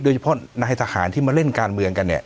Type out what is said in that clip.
โดยเฉพาะนายทหารที่มาเล่นการเมืองกันเนี่ย